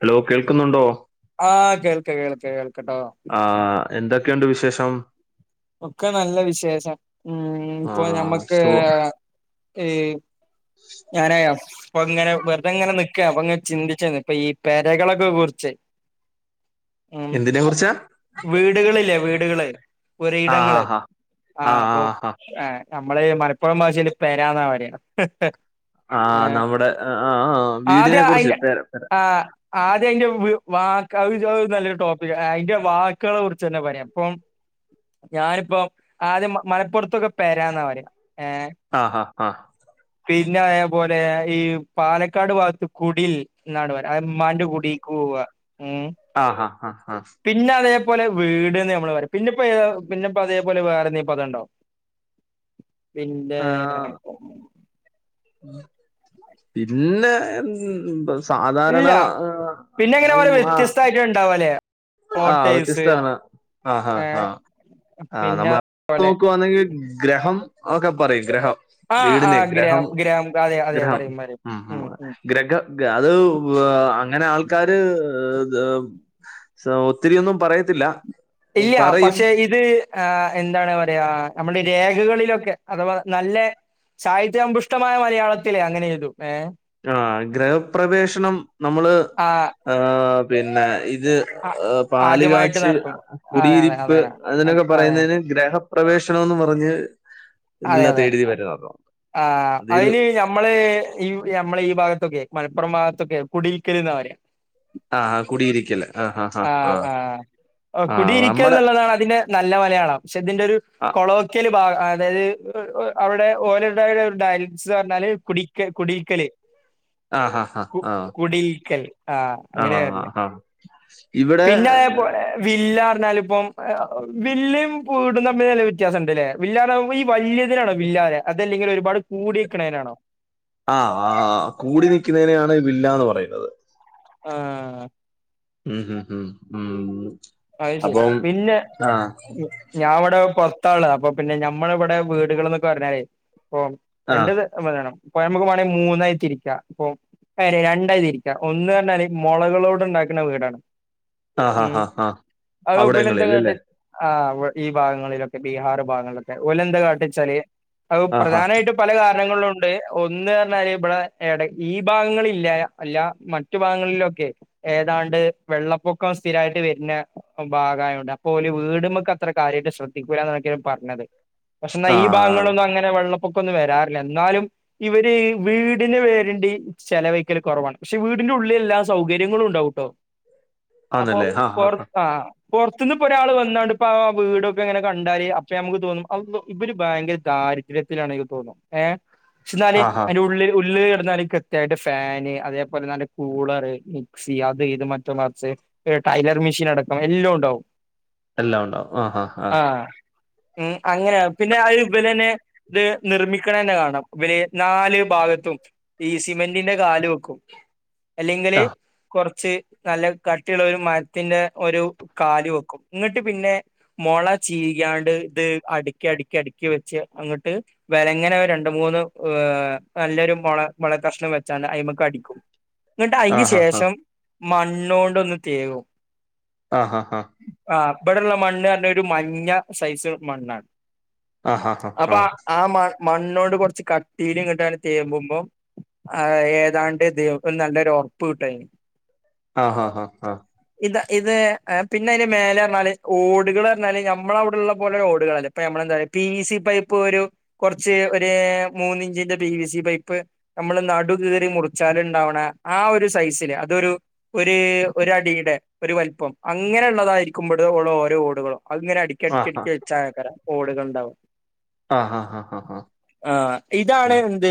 Hello കേൾക്കുന്നുണ്ടോ ആഹ് കേൾക്ക കേൾക്ക കേൾക്കട്ടോ ആഹ് എന്തൊക്കെയുണ്ട് വിശേഷം ഒക്കെ നല്ല വിശേഷം ഉം ആ ഇപ്പൊ ഞമ്മക്ക് സു ഈ ഞാൻ അയാഫ് ഇപ്പൊങ്ങനെ വെറുതെങ്ങനെ നിക്ക അപ്പൊങ്ങനെ ചിന്തിച്ച ഇപ്പൊ ഈ പെരകളൊക്കെ കുറിചേയ് എന്തിനെ കുറിച്ച വീടുകളില്ലേ വീടുകള് ആ പുരയിടങ്ങള് ഹാ ഹാ ആ ആഹ് ആ അപ്പൊ ഹാ ആ നമ്മള് മലപ്പുറം ഭാഷയിൽ പെരന്ന പറയാ ആഹ് ആഹ് ഏഹ് നമ്മുടെ ആഹ് ആഹ് ആഹ് വീടിനെ ആദ്യം കുറിച്ച് അയിന്റെ ആഹ് ആദ്യം അതിന്റെ വ നല്ലൊരു ടോപ്പി അതിന്റെ വാക്കുകളെ കുറിച്ച് തന്നെ പറയാം അപ്പം ഞാനിപ്പോ ആദ്യം മലപ്പുറത്തൊക്കെ പെരാന്നാ പറയാ ഏഹ് ആഹ് ആഹ് ആഹ് പിന്നെ അതേപോലെ ഈ പാലക്കാട് ഭാഗത്ത് കുടിൽ എന്നാണ് പറയാ അത് ഉമ്മാന്റെ കുടിക്ക് പോവുക ഉം ആഹ് ഹാ ആഹ് ആഹ് പിന്നെ അതേപോലെ വീട്ന്ന് നമ്മള് പറയും പിന്നെ ഇപ്പോ ഏതാ പിന്നെ അതേ പോലെ വേറെന്തേലും പറായാണ്ടോ പിന്നെ....... ആ, പിന്നെ എ സാധാരണ ഇല്ല ആഹ് ണ്ടാവല്ലേ ആഹ് വ്യത്യസ്ഥതാണ് ആഹ് ഏ ആഹ് ആഹ് പിന്നെ നമ്മൾ അതുപോലെ നോക്കുവാണെങ്കിൽ ഗ്രഹം ഒക്കെ പറയും ഗ്രഹം ആ ആ വീടിനെ ഗ്രഹം ഗ്രാം ഗ്രാം അതെ അതെ ഗ്രഹം പറയും പറയും ഉം ഉം ഗ്രഹ അത് ഏഹ് അങ്ങനെ ആൾക്കാര് സൗത്തിരി ഒന്നും പറയത്തില്ല ഇല്ല പറയും പക്ഷെ ഇ ഇത് ആഹ് എന്താണ് പറയാ നമ്മുടെ ഈ രേഖകളിലൊക്കെ അഥവാ നല്ല സാഹിത്യ അമ്പുഷ്ടമായ മലയാളത്തിലെ അങ്ങനെ എയ്തും ഏഹ് ആഹ് ഗ്രഹപ്രവേശനം നമ്മള് ആ ഏഹ് പിന്നെ ഇത് ആ പാൽ ആദ്യമായിട്ട് കാച്ച് നടത്തും അതെ അതെ അതെ കുടിയിരിപ്പ് അതിനൊക്കെ അതെ പറയുന്നതിന് ഗ്രഹ പ്രവേശനന്ന് പറഞ്ഞ് അതെ ഇതില്ലാത്ത അതെ എഴുതി വരുന്നത് ആഹ് അതിൽ അതിന് ന- മ്മള് ഈ നമ്മളെ ഈ ഭാഗത്തൊക്കെ മലപ്പുറം ഭാഗത്തൊക്കെ കുടിര്ക്കൽ ന്നാ പറയാ ആഹ് ആഹ് കുടിയിരിക്കല്ലേ ആഹ് ആഹ് ആ കുടിയിരിക്കുക നമ്മുടെ എന്നുള്ളതാണ് അതിന്റെ നല്ല മലയാളം പക്ഷെ ഇതിന്റെ ഒരു ആഹ് ലോക്കല് ഭാഗ അതായത് അവിടെ ഓല ഡയലസ് എന്ന് പറഞ്ഞാല് കുടിക്കല് കുടിക്കല് ആഹ് ആഹ് ആഹ് ആഹ്.. കുടിയിരിക്കൽ ആ അങ്ങനെയാ അത് ആഹ് ആഹ്.. ഇവിടെ പിന്നെ അതേപോലെ വില്ല പറഞ്ഞാൽ ഇപ്പം വില്ലും പ്പൊ വീടും തമ്മിൽ നല്ല വ്യത്യാസണ്ട്ല്ലേ വില്ലാന്ന് പറഞ്ഞ ഈ വല്യതിനാണോ വില്ലാന്ന് പറയാ അതല്ലെങ്കിൽ ഒരുപാട് കൂടിനിക്കണതിനാണോ ആഹ് ആഹ് കൂടി നിക്കുന്നതിനെയാണ് വില്ലന്ന് പറയുന്നത് ആഹ് ഉം ഹ്മ്മ് ഹ്മ്മ് ഉം.... അത് ശെരിയാ അപ്പം പിന്നെ ആഹ് ഉം ഞാ ഇവിടെ പുറത്താള്ളെ അപ്പൊ പിന്നെ ഞമ്മളെ ഇവിടെ വീടുകൾ എന്നൊക്കെ പറഞ്ഞാലേ അപ്പൊ ആഹ് രണ്ടത്. വേണം പ്പൊ ഞമ്മക്ക് വേണെ മൂന്നായിതിരിക്ക ഇപ്പൊ അയിനെ രണ്ടായിതിരിക്ക ഒന്ന് പറഞ്ഞാല് മുളകളോട് ഉണ്ടാക്കുന്ന വീടാണ്. ആഹ് ഉം ആഹ് ആഹ് അത് ബെല്ന്താ അവിടങ്ങളിൽ അല്ലേ കാട്ടി ആഹ് ഈ ഭാഗങ്ങളിലൊക്കെ ബീഹാർ ഭാഗങ്ങളിലൊക്കെ ഓലന്ത കാട്ടിച്ചാല് അഹ് ആഹ് പ്രധാനായിട്ടും പല കാരണങ്ങളുണ്ട് ഒന്ന് പറഞ്ഞാല് ഇവിടെ ടെ ഈ ഭാഗങ്ങള് ഇല്ല അല്ല മ റ്റു ഭാഗങ്ങളിലൊക്കെ ഏതാണ്ട് വെള്ളപ്പൊക്കം സ്ഥിരായിട്ട് വര പിന്നെ ഭാഗായോണ്ട് അപ്പൊ ഓല് വീട്മ്മക്ക് അത്ര കാര്യായിട്ട് ശ്രദ്ധിക്കൂല്ല എന്നക്കേണ് പറഞ്ഞത്. പക്ഷെ എന്നാ ആഹ് ഈ ആഹ് ഭാഗങ്ങളൊന്നും അങ്ങനെ വെള്ളപ്പൊക്കൊന്നും വരാറില്ല എന്നാലും ഇവര് ഈവീടിന് വരണ്ടി ചെലവയിക്കല് കൊറവാണ് പക്ഷെ വീടിന്റെ ഉള്ളില് എല്ലാ സൗകര്യങ്ങളും ഉണ്ടാവുട്ടോ. ആന്നല്ലേ ആഹ് ആഹ് ആ ആഹ് പൊറത്ത്ന്ന് ഇപ്പോ ഒരാൾ വന്നാണ്ട് ഇപ്പൊ ആ വീടൊക്കെ ഇങ്ങനെ കണ്ടാല് അപ്പ നമുക്ക് തോന്നും അള്ളൊ ഇവര് ഭയങ്കര ദാരി ദ്രത്തിലാണെക്ക് തോന്നും ഏ പക്ഷെ എന്നാല് ആഹ് ആഹ് അയിന്റെ ഉള്ളിൽ, ഉള്ളില് കെടന്നാലായിക്ക കൃത്യായിട്ട് ഫാന് അതേപോലെന്നെഔ കൂളറ്, മിക്സി അത് ഇത് മറ്റും മറിച്ച് ടൈല മെഷീൻ അടക്കം എല്ലാം ഉണ്ടാവും. എല്ലാം ഉണ്ടാവും ആഹ്ആഹ് ആ ആഹ് ഉം അങ്ങനെ പിന്നെ [unintelligible] ഇവരന്നെ ഇത് നിർമ്മിക്കണം തന്നെ കാണണംഇവര് നാല് ഭാഗത്തും. ഈ സിമെന്റിന്റെ കാല് വെക്കും. അല്ലെങ്കില് കൊറച്ച് നല്ല കട്ടിയുള്ള ഒരു മര ത്തിന്റെ ഒരു കാല് വെക്കും ഇങ്ങ്ട്ട് പിന്നെ മൊള ചീകീയാണ്ട് ഇത് അടുക്കി, അടുക്കി, അടുക്കി വെച്ച് അങ്ങ്ട്ട് വെലങ്ങനെ ഒര് രണ്ട് മൂന്ന് നല്ലൊരു മൊള മൊള കഷ്ണം വെച്ചാ അയ്മക്ക് അടിക്കും. [inaudible] ഇങ്ങ്ട്ട് അയിന്റെ ആഹ് ശേഷം മണ്ണോണ്ടൊന്ന് തേകും. ആ ഹാ ഹാ ഹാ ആഹ് ഇവിടെള്ള മണ്ണ്റഞ്ഞ ഒരു മഞ്ഞ സൈസ് മണ്ണാണ്. ആഹ് ആഹ് അപ്പൊ ആ മ മണ്ണോട് കൊറച്ച് കട്ടീല് ങ്ങ്ട്ട് തേമ്പുമ്പം. ആ ഏതാണ്ട് ഇത് നല്ലരു ഒറപ്പ് കിട്ടുംഅയിന് ആഹ് ഹാ ഹാ ആഹ് ഇത്, ഇത് പിന്നെ അയിന്റെ മേലെ പറഞ്ഞാല് ഓടുകള്റഞ്ഞാല് ഞമ്മളെ അവിടെള്ള പോലെ ഓടുകള്ല്ല. ഇപ്പൊ ഞമ്മള് എന്താ പറയാ പി വി സി പൈപ്പ് ഒരു കൊറച്ച് ഒര് മൂന്ന് ഇഞ്ചിന്റെ പി വി സി പൈപ്പ് നമ്മള് നടു കീറി മുറിച്ചാല് ഇണ്ടാവ്ണ ആ ഒരു സൈസില് അതൊരു ഒര് ഒരു അടീടെ ഒരു വലിപ്പം അങ്ങനെയുള്ളതായിരിക്കുമ്പള് ഉള്ള ഓരോ ഓടുകളോ അങ്ങനെ ആഹ് അടക്കടക്കടക്കി വെച്ചാക്കരാം ഓടുകുണ്ടാവും ആഹ് ആഹ് ആഹ് ആഹ് ആഹ് ആഹ് ആഹ് ആഹ് ഇതാണ് എന്ത്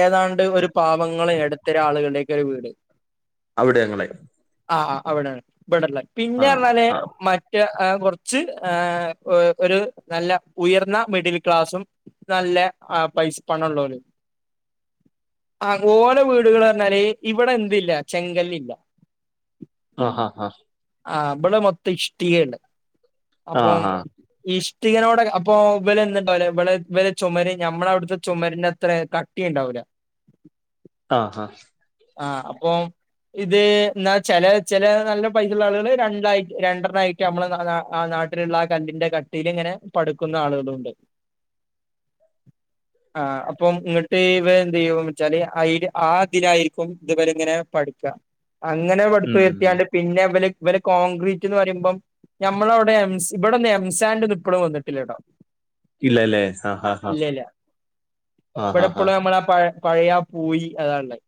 ഏതാണ്ട് ഒരു പാവങ്ങളെ എടത്തര ആളുകളുടെക്കെ ഒരു വീട്. അവിടെ ഞങ്ങളെ ആഹ് അവ്ടെ ഇബടല്ലെ പിന്നെ ആഹ് പറഞ്ഞാല് ആഹ് മ റ്റ കൊറച്ച് ഏ ഒരു നല്ല ഉയർന്ന മിഡിൽ ക്ലാസ്സും നല്ല ആ പൈസ പണള്ളോലും ആ ഓല വീടുകൾ പറഞ്ഞാല് ഇവിടെ എന്തില്ല ചെങ്കല്ല് ഇല്ല ആഹ് ആഹ് ആ ഇബടെ മൊത്തം ഇഷ്ടികേണ്ട് ആഹ് അപ്പം ആഹ് ഇഷ്ടികനോട് അപ്പോ ഇവല് എ ന്തുണ്ടാവുല ഇവള് ഇവരെ ചുമരി നമ്മളെ അവിടുത്തെ ചുമരിന്റെ അത്ര ക ട്ടി ഇണ്ടാവുല്ല ആഹ് ആഹ് ആ അപ്പൊ ഇത് ഇന്നാ ചെല ചെല നല്ല പൈസ ഉള്ള ആളുകള് രണ്ടായിട്ട് രണ്ടർണ്ണ ആയിട്ട് നമ്മളെ ആ നാട്ടിലുള്ള ആ കല്ലിന്റെ കട്ടീല് ഇങ്ങനെ പട്ക്കുന്ന ആളുകളുണ്ട്. ആ അപ്പം ഇങ്ങട്ട് ഇവ എന്ത് ചെയ്യും വെച്ചാല് ആതിലായിരിക്കും ഇതുവരെ ഇങ്ങനെ പട് ക്ക അങ്ങനെ ഉം പട്ത്തുയർത്തിയാണ്ട് പിന്നെ ഇവല് ഇവര് കോൺക്രീറ്റ് എന്ന് പറയുമ്പം. നമ്മള അവടെ എംസ് എംസാന്റ് ഇവിടെന്നും എംസാൻഡ്ന്നും ഇപ്പോഴും വന്നിട്ടില്ലേടോ. ഇല്ലല്ലേ ആഹ് ആഹ് ഇല്ലല്ല ആഹ് ഇവിടെ ആഹ് ആഹ് ഇപ്പളും നമ്മള പഴയാ പഴയ പോയി അതാല്ലേ.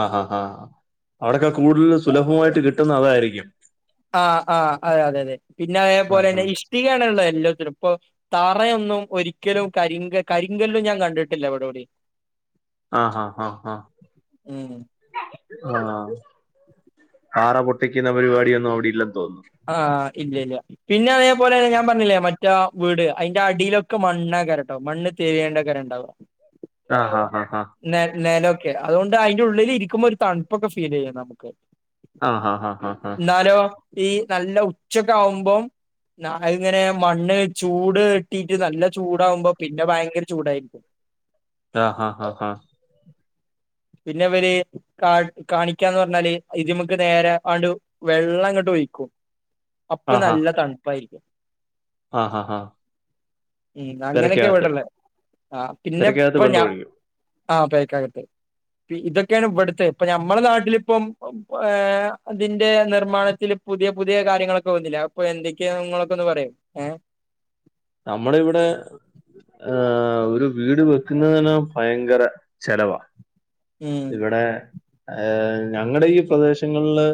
ആഹ്‌ ഹാ ആ അവിടൊക്കെ കൂടുതൽ സുലഭമായിട്ട് കിട്ടുന്നത് അതായിരിക്കും. ആഹ് ആഹ് അതെ അതെ അതെ പിന്നെ അതേപോലെ ആഹ് തന്നെ ഇഷ്ടികണുള്ളത് എല്ലാത്തിനും ഇപ്പൊ തറയൊന്നും ഒരിക്കലും കരിങ്ക കരിങ്കല്ലും ഞാൻ കണ്ടിട്ടില്ല ഇവിട എവിടിം ആഹ്‌ ഹാ ആഹ് ഹ. ഉം ആഹ്‌ പാറ പൊട്ടിക്കുന്ന പരിപാടിയൊന്നും അവിടെയില്ലെന്ന് തോന്നുന്നു. ആഹ് ഇല്ല ഇല്ല പിന്നെ അതേപലെന്നെ ഞാൻ പറഞ്ഞില്ലേ മ മറ്റ വീട് അയിന്റെ അടിയിലൊക്കെ മണ്ണാകാരം കേട്ടോ മണ്ണ് തേവിയേണ്ടകാരം ഇണ്ടാവ. ആഹ്‌ ഹാ ഹ ആാ. നെ നെലൊക്കെ അതുകൊണ്ട് അതിന്റെ ഉള്ളിൽ ഇരിക്കുമ്പോ ഒരു തണുപ്പൊക്കെ ഫീൽ ചെയ്യാം നമുക്ക്. എന്നാലോ ഈ നല്ല ഉച്ചക്കെ ആവുമ്പോം. ന ഇങ്ങനെ മണ്ണ് ചൂട് ഇട്ടിട്ട് നല്ല ചൂടാവുമ്പോ പിന്നെ ഭയങ്കര ചൂടായിരിക്കും. ആഹ്‌ ഹാ ഹാ ഹാ. പിന്നെവര് കാ കാണിക്കാന്ന് പറഞ്ഞാല് ഇതിമക്ക് നേരെ അണ്ട് വെള്ളം അങ്ങോട്ട് ഒഴിക്കും. അപ്പൊ നല്ല തണുപ്പായിരിക്കും. ആഹ്‌ ഹാ ആഹ്‌. ഉം അങ്ങനെയൊക്കെ ഇ വിടല്ലേ ആ തിരക്കകത്ത് പിന്നെപ്പ വെള്ളം ഞാൻ ഒഴിക്കും ആ പക്ക് ആകത്ത്. ഇതൊക്കെയാണ് ഇവിടുത്തെ ഇപ്പ നഞമ്മളുടെ നാട്ടിലിപ്പം ഇതിന്റെ നിർമ്മാണത്തിൽ. പുതിയ പുതിയ കാര്യങ്ങളൊക്കെ വന്നിലെ അപ്പൊ എന്തൊക്കെയാണ് നിങ്ങളൊക്ക ഒന്ന് പറയും ഏ നമ്മള ഇവിടെ. ആഹ്‌ ഒരു വീട് വെക്കുന്നനെ ഭയങ്കര ചെലവാ. ഉം ഇവിടെ ഏഹ് ഞങ്ങളുടെ ഈ പ്രദേശങ്ങളില്.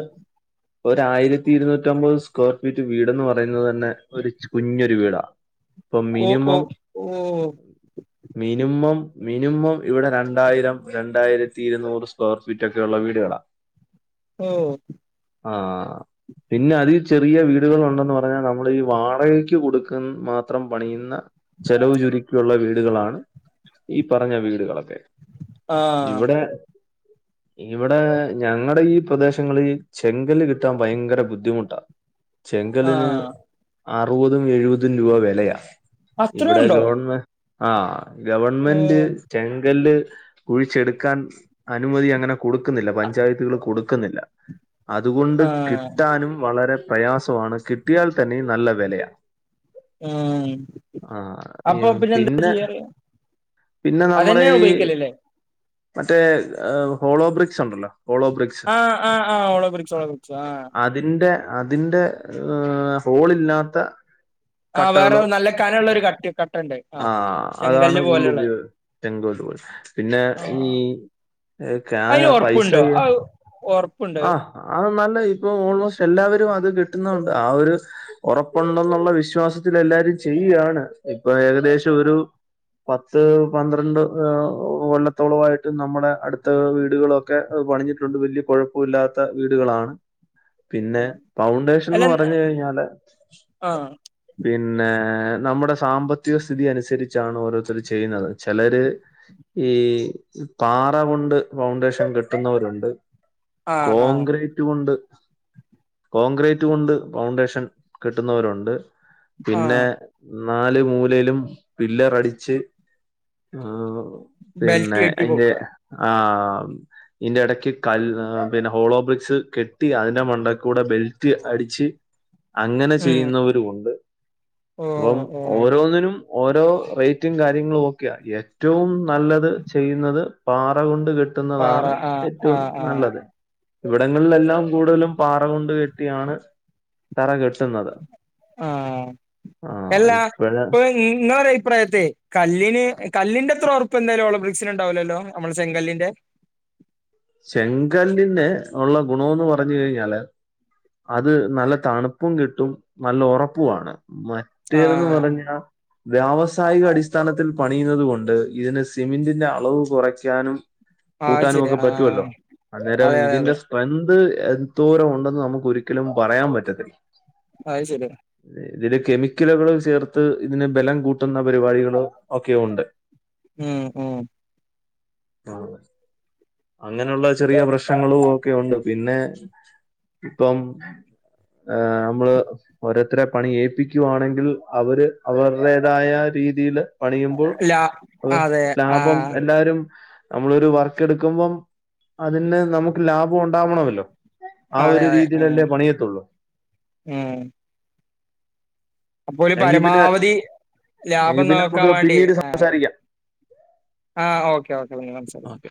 ഒരായിരത്തി ഇരുന്നൂറ്റി ഒമ്പത് സ്ക്വയർ ഫീറ്റ് വീട്ന്ന് പറയുന്നത് തന്നെ ഒരു കുഞ്ഞൊരു വീടാണ്. ഇപ്പൊ ഓ ഓ മിനിമം ഓ മിനിമം മിനിമം ഇവിടെ രണ്ടായിരം രണ്ടായിരത്തി ത്തി ഇരുന്നൂറ് സ്ക്വയർ ഫീറ്റ് ഒക്കെയുള്ള വീടുകളാ ഓഹ്‌ ആഹ്‌ പിന്നെ അതിൽ ചെറിയ വീടുകൾ പിന്നെ അതി ചെറിയ വീടുകളുണ്ടെന്ന് പറഞ്ഞാ നമ്മളി വാടകക്ക് കൊടുക്കുന്ന മാത്രം പണിയുന്ന ചെലവു ചുരുക്കിയുള്ള വീടുകളാണ് ഈ പറയുന്ന വീടുകളൊക്കെ. ആ ഇവടെ ഇവടെ ഞങ്ങള്ടെ ഈ പ്രദേശങ്ങള് ഈ ചെങ്കല്ല് കിട്ടാൻ ഭയങ്കര ബുദ്ധിമുട്ടാ ആ ചെങ്കല്ലിന് അറുവതും എഴുപതും രൂപാ വെലയാ അത്രേ ഇവടെ ഉണ്ടോ ഗവൺമെ ആഹ് ഓ ഗവൺമെന്റ് ചെങ്കല്ല് കുഴിച്ചെട്ക്കാൻ അനുമതി അങ്ങനെ കൊടുക്കുന്നില്ല പഞ്ചായത്തുക്കള് കൊടുക്ക്ന്നില്ല അതുകൊണ്ട് ആ കിട്ടാനും വളരെ പ്രയാസവാണ് കിട്ടിയാൽ തന്നെ നല്ല വെലയാ ഉം ആഹ്‌ ഈ അപ്പൊ എന്താ പിന്നെ ചെയ്യാറ് പിന്നെ നമ്മടെ അതന്നെയാ ഈ ഉപയോഗിക്കലല്ലേ മറ്റേ ഏഹ് ഹോളോ ബ്രിക്സുണ്ടല്ലോ ആഹ് ആഹ് ആഹ് ഹോളോബ്രിക്സ് ഹോളോബ്രിക്സ് ആഹ് തിന്റെ അതിന്റെ ഏഹ് ഹോളില്ലാത്ത ആ വേറെ കട്ടകളു നല്ല കനള്ള ഒരു കട്ടി കട്ടണ്ട് ആ ആഹ് അതാണ് ചെങ്കല്ല് കൂടുതല് പോലെയുള്ള ഉപയോ [unintelligible] പിന്നെ ആ ഈ അയിന് ഏഹ് [unintelligible] പൈസ ഒറപ്പുണ്ടോ അത് [unintelligible] ഒറപ്പുണ്ട് ആഹ് ആഹ് നല്ലെ ഇപ്പൊ ഓൾമോസ്റ്റ് എല്ലാവരും അത് കിട്ട്ന്നോണ്ട് ആ ഒരു ഒറപ്പുണ്ടെന്നുള്ള വിശ്വാസത്തില് എല്ലാരും ചെയ്യ്യാണ് ഇപ്പൊ ഏകദേശം ഒരു പത്ത് പന്ത്രണ്ട് ഏഹ് ഓഹ് കൊല്ലത്തോളവായി റ്റും നമ്മടെ അട്ത്ത വീടുകളൊക്കെ പണിഞ്ഞിട്ടുണ്ട് വല്ല്യ കൊഴപ്പ ഇല്ലാത്ത വീടുകളാണ് പിന്നെ പൗണ്ടേഷൻന്ന് അല്ല പറഞ്ഞ് കഴിഞ്ഞാല് ആ പിന്നെ നമ്മടെ സാമ്പത്തിക സ്ഥിതി അന്സരിച്ചാണ് ഓരോരുത്തര് ചെയ്യുന്നത് ചെലര് ഈ ഉം പാറ കൊണ്ട് ഫൗണ്ടേഷൻ കെട്ടുന്നവരുണ്ട് ആ ആ കോൺക്രീ റ്റ് കൊണ്ട് കോൺക്രീറ്റ് കൊണ്ട് പൗണ്ടേഷൻ കെട്ട്ന്നവരുണ്ട് ആ പിന്നെ നാല് മൂലയിലും ഫില്ലറടിച്ച് ആഹ് ബെൽറ്റ് പിന്നെ കെ അയിന്റെ ആഹ് ഇയിന്റെ എടയ്ക്ക് കല് ആഹ് പിന്നെ ഹോളോ ബ്രിക്സ് കെട്ടി അയിന്റെ മണ്ടക്കൂടെ ബെൽറ്റ് അടിച്ച് അങ്ങനെ ഉം ചെയ്യുന്നവരും ഉണ്ട് ഓ അപ്പം ഓ ഓരോന്നിനും ഓരോ റേറ്റും കാര്യങ്ങളും ഒക്കെയാ ഏറ്റവും നല്ലത് ചെയ്യ്ന്നത് പാറ കൊണ്ട് കെ പാറ കെട്ടുന്നതാണ് ആ ആ ഏറ്റവും ആ നല്ലത് ഇവട്ങ്ങള്ലെല്ലാം കൂടുതലും പാറ കൊണ്ട് കെട്ടിയാണ് തറ കെ ട്ടുന്നത് ആ ആഹ് ഇപ്പെഴാ ഉം ഇങ്ങളെ ഒരു അഭിപ്രായത്തെ കല്ലിന് കല്ലിന്റെത്ര ഒറപ്പെന്തായാലും ഹോളോ ബ്രിക്സിന് ഇണ്ടാവുല്ലല്ലോ നമ്മളെ ചെങ്കല്ലിന്റെ ചെങ്കല്ലിന്റെ ഉള്ള ഗുണോന്ന് പറഞ്ഞ് കഴിഞ്ഞാല് അത് നല്ല തണുപ്പും കിട്ടും നല്ല ഒറപ്പുവാണ് ആ മറ്റേതന്ന് പറഞ്ഞയിഞ്ഞാ വ്യാവസായിക അടിസ്ഥാനത്തിൽ പണിയുന്നത് കൊണ്ട് ഇതിന് സിമെന്റിന്റെ അളവ് കൊറയ്ക്കാനും ആ അത് കൂട്ടാനു ശരിയാ ഒക്കെ ആ പറ്റുവല്ലോ അന്നേരം അതെ അതെ ഇതിന്റെ അതെ സ് [unintelligible] എന്തോരം ഉണ്ടെന്ന് നമ്മക്ക് ഒരിക്കലും പറയാൻ പറ്റത്തില്ല അഹ് ശരിയാണ് ഇതില് കെമിക്കല്ക്കള് ചേർത്ത് ഇതിന് ബലം കൂട്ടുന്ന പരിവാടികള് ഒക്കെയുണ്ട് ഉം ഉം [unintelligible] അങ്ങനെയുള്ള ചെറിയ പ്രശ്നങ്ങളും ഒക്കെയുണ്ട് പിന്നെ ഇപ്പം ആഹ് മ്മള് ഓരോത്തരെ പണി ഏപ്പിക്കുവാണെങ്കിൽ അവര് അവരുടേതായ രീതിയില് പണിയുമ്പോ ല്ല അത് അതെ ലാഭം ആഹ് എല്ലാരും നമ്മളൊരു വർക്ക് എടു ക്കുമ്പം അതിന് നമുക്ക് ലാഭം ഒണ്ടാവണൊല്ലോ ആ അതെ ഒരു അതെ ഉം രീതിയിലല്ലേ പണിയത്തോള്ളൂ ഉം അപ്പോല് എങ്കിൽ പിന്നെ പരമാവധി എങ്കിൽ ലാഭം പിന്നെ നോക്കാൻ നമുക്ക് വേണ്ടിയെ പിന്നീട് ആഹ് സംസാരിക്കാം ആഹ് ഓക്കെ ഓക്കെ പിന്നെ ഓക്കെ [unintelligible]